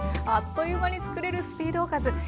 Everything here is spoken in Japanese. あっという間に作れるスピードおかず。